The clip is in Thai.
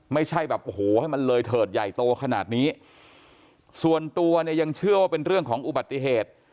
ไม่ใช่แบบโอ้โหให้มันเลยเถิดใหญ่โตขนาดนี้ส่วนตัวเนี่ยยังเชื่อว่าเป็นเรื่องของอุบัติเหตุ